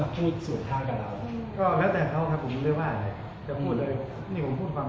ก็มีส่วนทางตาเราก็แล้วแต่เขาครับผมไม่ได้ว่าอย่าง